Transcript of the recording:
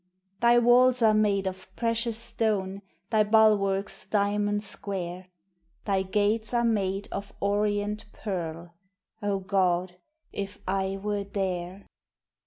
Thy walls are made of precious stone, Thy bulwarks diamond square, Thy gates are made of orient pearl O God! if I were there!